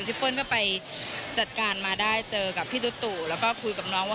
เปิ้ลก็ไปจัดการมาได้เจอกับพี่ตุ๊ตู่แล้วก็คุยกับน้องว่า